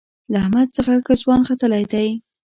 له احمد څخه ښه ځوان ختلی دی.